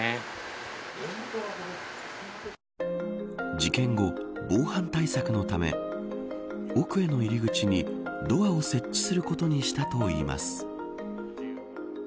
事件後、防犯対策のため奥への入り口にドアを設置することにしたといいます。